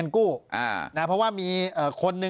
ปากกับภาคภูมิ